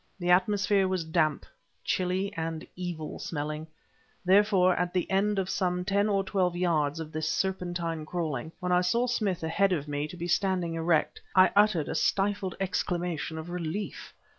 The atmosphere was damp, chilly, and evil smelling; therefore, at the end of some ten or twelve yards of this serpentine crawling, when I saw Smith, ahead of me, to be standing erect, I uttered a stifled exclamation of relief.